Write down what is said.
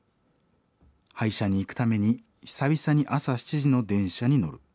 歯医者に行くために久々に朝７時の電車に乗る。